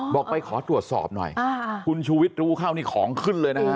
บอกไปขอตรวจสอบหน่อยคุณชูวิทย์รู้เข้านี่ของขึ้นเลยนะฮะ